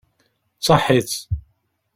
Saḥḥit!